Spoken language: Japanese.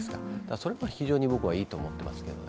それも非常に僕はいいと思っていますね。